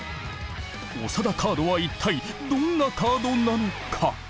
長田カードは一体どんなカードなのか。